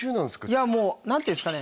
いやもう何ていうんすかね